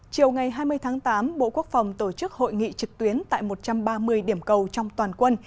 chiều ngày hai mươi tháng tám bộ quốc phòng tổ chức hội nghị trực tuyến tại một trăm ba mươi điểm cầu trong toàn quân